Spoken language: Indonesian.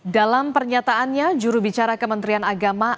dalam pernyataannya jurubicara kementerian agama